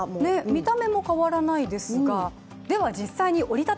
見た目も変わらないですがで